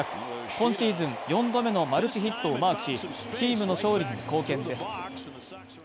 今シーズン４度目のマルチヒットをマークし、チームの勝利に貢献です。